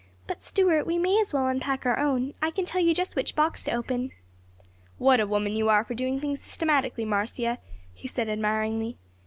"But, Stuart, we may as well unpack our own; I can tell you just which box to open." "What a woman you are for doing things systematically, Marcia," he said, admiringly.